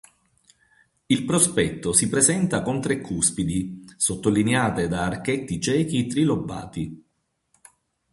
Il prospetto si presenta con tre cuspidi, sottolineate da archetti ciechi trilobati.